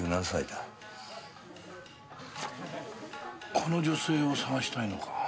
この女性を捜したいのか。